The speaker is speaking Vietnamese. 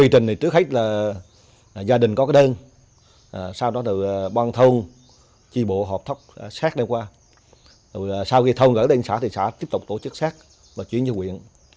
sau khi thông gỡ đến xã xã tiếp tục tổ chức xác và chuyển cho quyện